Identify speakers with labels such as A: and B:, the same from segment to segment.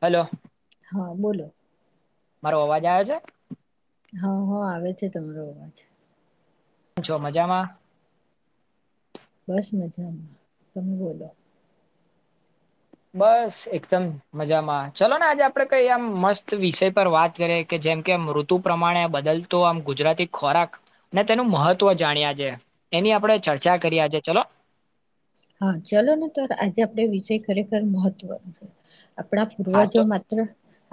A: Hello
B: હા બોલો
A: મારો અવાજ આવ્યો છે
B: હા હા આવે છે તમારો અવાજ
A: છો મજામાં
B: બસ મજામાં તમે બોલો
A: બસ એકદમ મજામાં ચલો ને આજે આપણેે કઈ આમ મસ્ત વિષય પર વાત કરીએ કે જેમ કે ઋતુ પ્રમાણે બદલતો આમ ગુજરાતી ખોરાક ને તેનું મહત્વ જાણ્યા છે એની આપણે ચર્ચા કરી આજે ચલો
B: હા ચલો ને તો આજે આપણે વિષય ખરેખર મહત્વનો છે આપણા
A: હા
B: પૂર્વજો
A: તો
B: માત્ર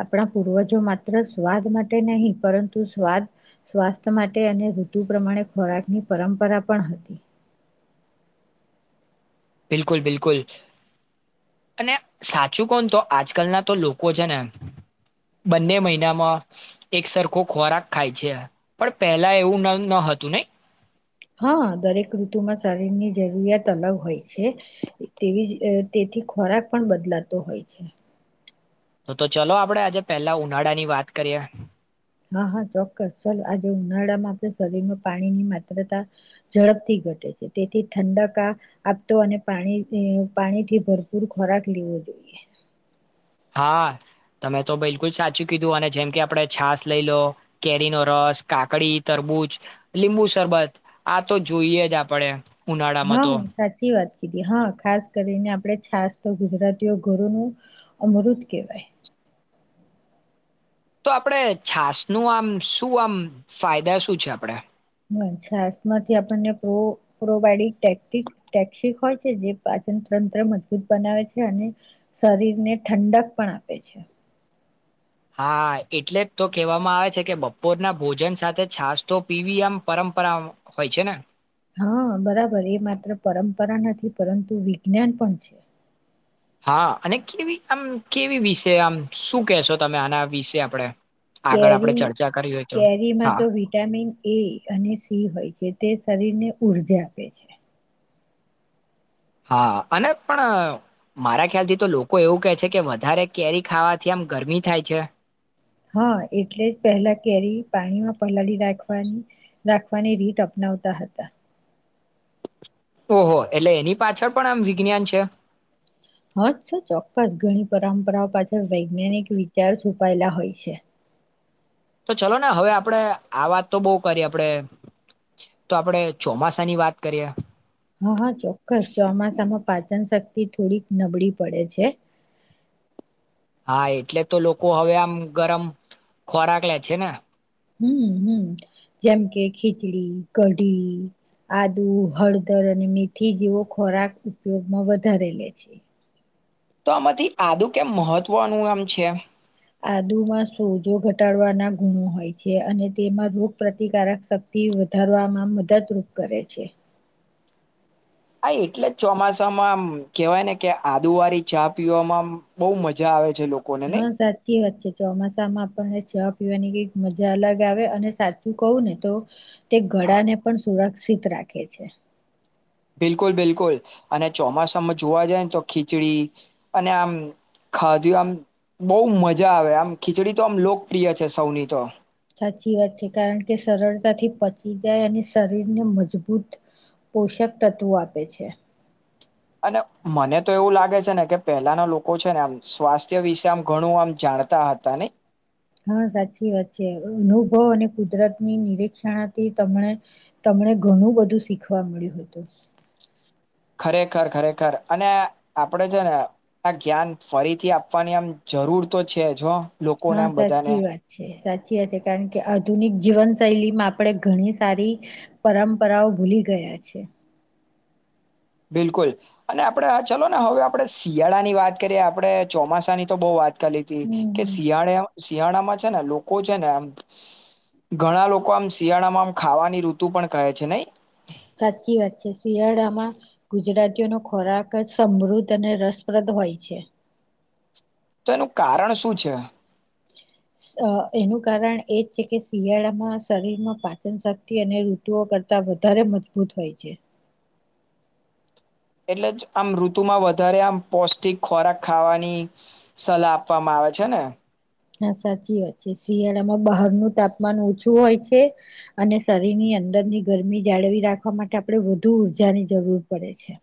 B: આપણા પૂર્વજો માત્ર સ્વાદ માટે નહીં પરંતુ સ્વાદ સ્વાસ્થ્ય માટે અને ઋતુ પ્રમાણે ખોરાકની પરંપરા પણ હતી
A: બિલકુલ બિલકુલ અને સાચું કોણ તો આજ કલના તો લોકો છે ને બંને મહિનામાં એક સરખો ખોરાક ખાય છે પણ પહેલા એવું ન હતું નહી
B: હા દરેક ઋતુમાં શરીરની જરૂરિયાત અલગ હોય છે તેવી તેથી ખોરાક પણ બદલાતો હોય છે
A: તો તો ચલો આપડે આજે પેલા ઉનાળા ની વાત કરીએ
B: હા હા ચોક્કસ ચાલ આજે ઉનાળામાં આપણા શરીરમાં પાણીની માત્રતા ઝડપથી ઘટે છે તેથી ઠંડકા આપતો અને પાણી પાણીથી ભરપૂર ખોરાક લેવો જોઈએ
A: હા તમે તો બિલકુલ સાચું કીધું અને જેમ કે આપણે છાસ લઈ લો કેરીનો રસ કાકડી તરબૂજ લીંબુ શરબત આ તો જોઈએ જ આપણે
B: હા હું સાચી વાત કીધી હા ખાસ કરીને આપણે છાસ્ ગુજરાતીઓ ઘરોનું અમૃત કહેવાય
A: તો આપણેે છાસ નું આમ શું આમ ફાયદા શું છે આપડા
B: હ શસ્માંથી આપણને પ્ર પ્રોબાયડિકટે ટેક્સિક હોય છે જે પાચન તંત્ર મજબૂત બનાવે છે અને શરીરને ઠંડક પણ આપે છે
A: હા એટલે જ તો કેહેવામાં આવે છે કે બપોરના ભોજન સાથે છાસ તો પીવી આમ પરંપરા હોય છે ને
B: હા બરાબર એ માત્ર પરંપરા નથી પરંતુ વિજ્ઞાન પણ છે
A: હા અને કેવી આમ કેવી વિશે આમ શું કેહેશો તમે આના વિશે આપણેે
B: કેરી
A: હા
B: કેરીમાં તો વિટામિન એ અને સી હોય છે તે શરીર ને ઉઊર્જા આપે છે.
A: હા અને પણ મારા ખ્યાલથી તો લોકો એવું કહે છે કે વધારે કેરી ખાવાથી આમ ગરમી થાય છે?
B: હા એટલે જ પહેલા કેરી પાણીમાં પલાળી રાખવાની રાખવાની રીત અપનાવતા હતા.
A: ઓહો એટલે એની પાછળ પણ આમ વિજ્ઞાન છે?
B: હ ચોક્કસ ઘણી પરંપરાઓ પાછળ વૈજ્ઞાનિક વિચાર છુપાયેલા હોય છે.
A: તો ચલોો ને હવે આપડણે આ વાત તો બહ કરીએ આપણેે તો આપણેે ચોમાસાની વાત કરીએ.
B: હા હા ચોક્કસ ચોમાસામાં પાચન શક્તિ થોડીક નબળી પડે છે
A: હા એટલે તો લોકો હવે આમ ગરમ ખોરાક લે છે ને.
B: હમ હમ જેમ કે ખીચડી કઢી આદુ હળદર અને મેથી જેવો ખોરાક ઉપયોગમાં વધારે લે છે.
A: તો આમાંથી આદું કેમ મહત્વનું આમ છે?
B: આદુમાં સોજો ઘટાડવાના ગુણો હોય છે અને તેમાં રોગ પ્ર્રતિકારક શક્તિ વધારવામાં મદદરૂપ કરે છે.
A: હા એટલે જ ચોમાસામાં કેવાય ને કે આદુ વાળી ચા પીવામાં બહુ મજા આવે છે. લોકોને નહી
B: હા સાચી વાત. કે ચોમાસામાં આપણને ચા પીવાની કઈક મજા અલગ આવે અને સાચું કહું ને તો તે ગળા ને પણ સુરક્ષિત શિત રાખે છે.
A: બિલકુલ બિલકુલ અને ચોમાસામાં જોવા જાયને તો ખીચડી અને આમ ખાધું આમ બહુ મજા આવે આમ ખીચડી તો આમ લોકપ્રિય છે સૌની તો.
B: સાચી વાત છે કારણ કે સરળતાથી પચી જાય અને શરીરને મજબૂત પોષક તત્વો આપે છે.
A: અને મને તો એવું લાગે છે ને કે પહેલાના લોકો છે ને આમ સ્વાસ્થ્ય વિશે આમ ઘણું આમ જાણતા હતા નયી
B: હા સાચી વાત છે અનુભવ અને કુદરતની નિરીક્ષણાથી તને તમને ઘણું બધું શીખવા મળ્યું હતું.
A: ખરેખર ખરેખર અને આપડે છે ને આ જ્ઞાન ફરીથી આપવાની આમ જરૂર તો છે જો.
B: હા સાચી વાત છે. સાચી છે કારણ કે આધુનિક જીવન શૈલીમાં આપણે ઘણી સારી પરંપરાઓ ભૂલી ગયા છે.
A: બિલકુલ અને આપડે ચાલ ને હવે આપણે શિયાળા ની વાત કરીએ આપડણે ચોમાસાની તો બઉુ વાત કરી લી ત
B: હમ
A: કે
B: હમ
A: શિયાળે શિયાળામાં છે ને લોકો છે ને આમ ઘણા લોકો આમ શિયાળામાં આમ ખાવાની ઋતુ પણ કહે છે નયી.
B: સાચી વાત છે શિયાળામાં ગુજરાતીઓનો ખોરાક જ સમૃદ્ધ અને રસપ્રદ હોય છે.
A: તો એનું કારણ શું છે?
B: એનું કારણ એ જ છે કે શિયાળામાં શરીરમાં પાચનશક્તિ અને ઋતુઓ કરતાં વધારે મજબૂત હોય છે.
A: એટલે જ આમ ઋતુમાં વધારે આમ પૌષ્ટિક ખોરાક ખાવાની સલાહ આપવામાં આવે છે ને.
B: હા સાચી વાત છે શિયાળામાં બહારનું તાપમાન ઓછું હોય છે અને શરીરની અંદરની ગરમી જાળવી રાખવા માટે આપણે વધુ ઉઊર્જાની જરૂર પડે છે.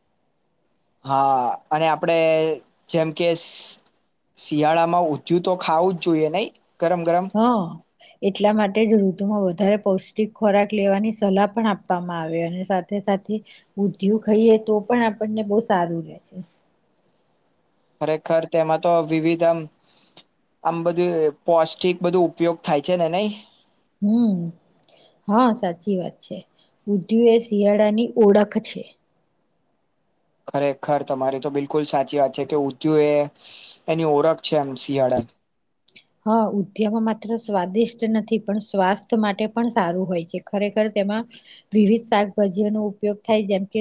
A: હા અને આપડે જેમ કે શિયાળામાં ઊધયું તો ખાવું જ જોઈએ નઈ.
B: હ એટલા માટે જ ઋતુમાં વધુ વધારે પૌષ્ટિક ખોરાક લેવાની સલાહ પણ આપવામાં આવે અને સાથે સાથે ઉધીયુ ખાઈએ તો પણ આપણને બહ સારું રહેેશે.
A: ખરેખર તેમાં તો વિવિધ આમ આમ બધું પૌષ્ટિક બધું ઉપયોગ થાય છે ને નઈ?
B: હમ હા સાચી વાત છે બુધ્યું એ શિયાળાની ઓળખ છે.
A: ખરેખર તમારી તો બિલકુલ સાચી વાત છે કે ઉંધીયુ એ એની ઓળખ છે એમ શિયાળે
B: હા ઉદ્યામાં માત્ર સ્વાદિષ્ટ નથી પણ સ્વાસ્થ્ય માટે પણ સારું હોય છે ખરેખર તેમાં વિવિધ શાકભાજીઓનો ઉપયોગ થાય જેમ કે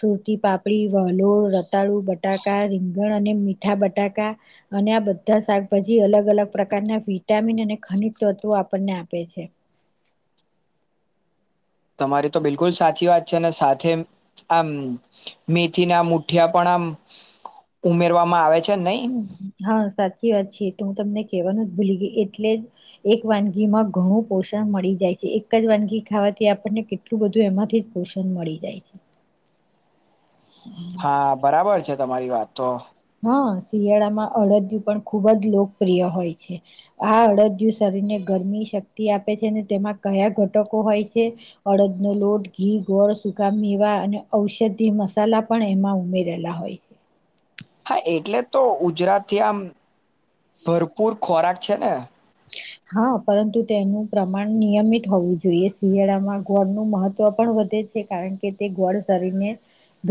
B: સુરતી પાપડી વલોળ રતાળુ બટાકા રીંગણ અને મીઠા બટાકા અને આ બધા શાકભાજી અલગ અલગ પ્રકારના વિટામિન અને ખનિજ તત્વો આપણને આપે છે.
A: તમારી તો બિલકુલ સાચી વાત છે સાથે આમ મેથી ના મુઠિયા પણ આમ ઉમેરવામાં આવે છે નહી
B: હમ હા સાચ સાચી વાત છેી તો હું તમને કેહેવાનું જ ભૂલી ગઈ એટલે જ એક વાનગી માં ઘણું પોષણ મળી જાય છે એક જ વાનગી ખાવાથી આપણને કેટલું બધું એમાંથી જ પોષણ મળી જાય છે.
A: હા બરાબર છે. તમારી વાત તો
B: હા શિયાળામાં અડદયું પણ ખૂબ જ લોકપ્રિય હોય છે આ અડદયું શરીરને ગરમી શક્તિ આપે છે અનેને તેમાં કયા ઘટકો હોય છે અડદનો લોટ ઘી ગોળ સુકામ મેવા અને ઔષધી મસાલા પણ એમાં ઉમેરેલા હોય.
A: હા એટલે તો ગુજરાત થી આમ ભરપૂર ખોરાક છેને.
B: હા પરંતુ તેનું પ્રમાણ નિયમિત હોવું જોઈએ શિયાળામાં ગોળનું મહત્વ પણ વધે છે કારણ કે તે ગોળ શરીરને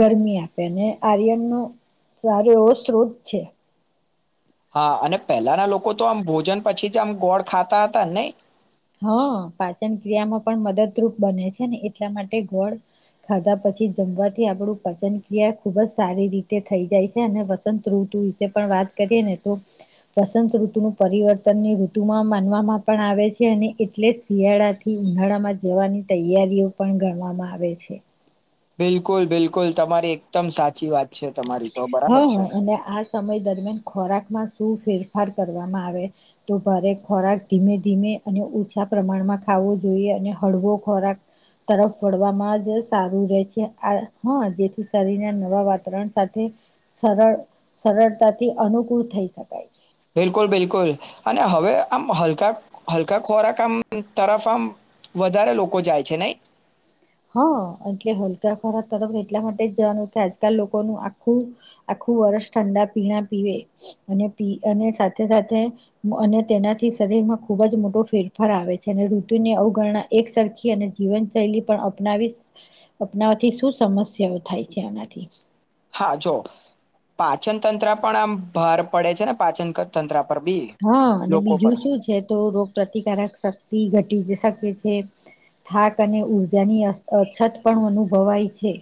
B: ગરમી આપે અને આર્યન ન સારો એવો સ્ત્રોત છે.
A: હા અને પેલાના લોકો તો આમ ભોજન પછી જ આમ ગોળ ખાતા હતાને નહી?
B: હા પાચન ક્રિયામાં પણ મદદરૂપ બને છે ને એટલા માટે ગોળ ખાધા પછી જમવાથી આપણું પાચન ક્રિયા ખુબ જ સારી રીતે થઈ જાય છે અને વસંત ઋતુ વિશે પણ વાત કરીએ ને તો વસંત ઋતુ ન પરિવર્તનની ઋતુમાં માનવામાં પણ આવે છે છે અને એટલે જ શિયાળાથી ઉનાળામાં જવાની તૈયારીઓ પણ ગણવામાં આવે છે.
A: બિલકુલ બિલકુલ તમારી એકદમ સાચી વાત છે તમારી તો બરાબર
B: હા હ
A: છે
B: અને આ સમય દર દરમિયાન ખોરાકમાં શું ફેરફાર કરવામાં આવે તો ભારે ખોરાક ધીમે ધીમે અને ઓછા પ્રમાણમાં ખાવો જોઈએ અને હળવો ખોરાક તરફ વળવામાં જ સારું રહે છે આ હા જેથી શરીરના નવા વાતાવરણ સાથે સરળ સરળતાથી અનુકૂળ થઈ શકાય છે.
A: બિલકુલ બિલકુલ અને હવે આમ હલકા હલકા ખોરાક તરફ આમ વધારે લોકો જાય છે નઈ.
B: હા એટલે હલકા ખોરાક તરફ એટલા માટે જ જવાનું કે આજકાલ લોકોનું આખું આખું વર્ષ ઠંડા પીણા પીવે અને પી અને સાથે સાથે અને તેનાથી શરીરમાં ખુબ જ મોટો ફેરફાર આવે છે અને ઋતુની અવગણના એક સરખી અને જીવનશૈલી પણ અપનાવીશ અપનાવવાથી શું સમસ્યાઓ થાય છે એનાથી
A: હા, જો પાચન તંત્ર પણ આમ ભાર પડે છે ને પાચન તંત્ર પર બી
B: હા અને
A: લોકો પર
B: બીજું શું છે તો રોગ પ્ર્રતિકારક શક્તિ ઘટી થાક અને ઉર્જાની અછત પણ અનુભવાય છે.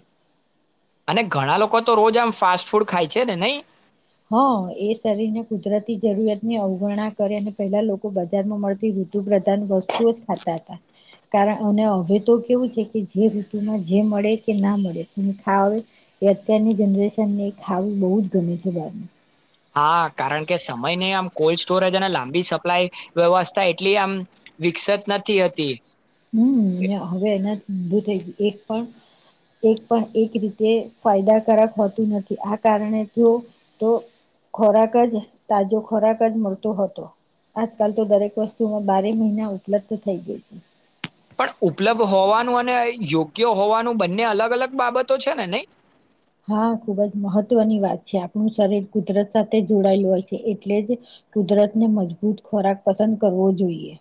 A: અને ઘણા લોકો તો રોજ આમ ફાસ્ટ ફૂડ ખાય છે ને નઈ?
B: હા એ શરીર ને કુદરતી જરૂરિયાત ની અવગણના કરે અને પહેલા લોકો બજારમાં મળતી ઋતુ પ્રધાન વસ્તુઓ જ ખાતા હતા કારણ અને હવે તો કેવું છે કે જે ઋતુમાં જે મળે કે ના મળે અને ખાવાવ એ અત્યારની જનરેશનને ખાવ બહુ જ ગમે છે. વા.
A: હા કારણ કે સમય ન આમ કોલ્ડ સ્ટોરેજ અને લાંબી સપ્લાય વ્યવસ્થા એટલી આમ વિકસત નથી હતી.
B: થ એક પણ એક પણ એક રીતે ફાયદાકારક હોતું નથી આ કારણે તે તો ખોરાક જ તાજો ખોરાક જ મળતો હતો આજકાલ તો દરેક વસ્તુમાં બારે મહિના ઉપલબ્ધ થઈ ગઈ હતી.
A: પણ ઉપલબ્ધ હોવાનું અને યોગ્ય હોવાનું બંને અલગ અલગ બાબતો છે ને, નહી?
B: હા ખુબ જ મહત્વની વાત છે આપણું શરીર કુદરત સાથે જોડાયેલું હોય છે. એટલે જ કુદરત ને મજબૂત ખોરાક પસંદ કરવો જોઈએ.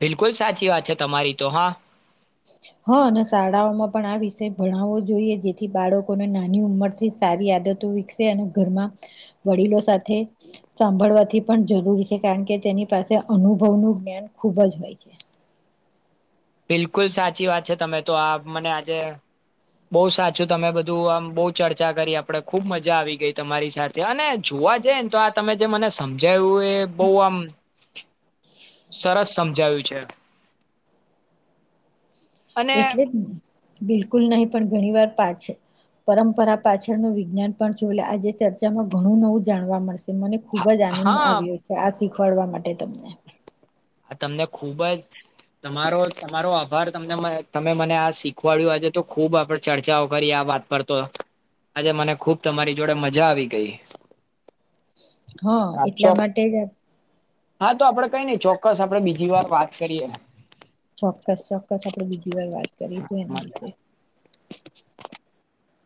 A: બિલકુલ સાચી વાત છે તમારી તો હા.
B: હા અને શાળાઓમાં પણ આ વિષય ભણાવવો જોઈએ જેથી બાળકોને નાની ઉંમરથી સારી આદતો વિકસે અને ઘરમાં વડીલો સાથે સાંભળવાથી પણ જરૂરી છે કારણ કે તેની પાસે અનુભવનું જ્ઞાન ખૂબ જ હોય છે.
A: બિલકુલ સાચી વાત છે તમે તો આ મને આજે બહુ સાચું તમે બધું આમ બહુ ચર્ચા કરી આપણેે ખુબ મજા આવી ગઈ તમારી સાથે અને જોવા જઈને તો આ તમે જે મને સમજાયુંય બહ આમ સરસ સમજાવ્યું છે. છે.
B: એટલે જ ને બિલકુલ કુલ નહી પણ ઘણી વાર પાછ પરંપરા પાછળનું વિજ્ઞાન પણ જો લ આજે ચર્ચામાં ઘણું નવું જાણવા મળશે. મને ખુબ જ આનંદ
A: હા
B: આવ્યો છે આ શીખવાડવા માટે તમને.
A: આ તમને ખૂબ જ તમારો તમારો આભાર તમને તમે મને આ શીખવાડ્યું આજે તો ખૂબ આપણે ચર્ચાઓ કરી આ વાત પર તો આજે મને ખૂબ તમારી જોડે મજા આવી ગઈ.
B: હા એટલા માટે જ આપ
A: હા તો આપડ કઈ નઈ છો ચોક્કસ આપડે બીજી વાર વાત કરીએ
B: ચોક્કસ ચોક્કસ આપડે બીજું વા વાત કરી છેું એના વિશે